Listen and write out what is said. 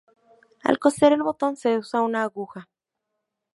Al coser el botón se usa una aguja